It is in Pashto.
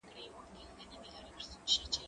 ته ولي قلم کاروې،